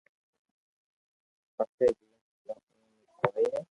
پسي جيم ڪيئو ايم اي ھوئي